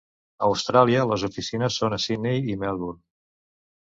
A Austràlia les oficines són a Sydney i Melbourne.